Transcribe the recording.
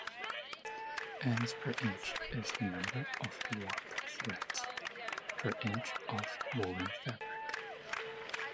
Ends per inch is the number of warp threads per inch of woven fabric.